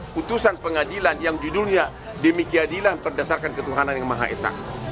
kutusan pengadilan yang judulnya demikianilah berdasarkan ketuhanan yang maha esa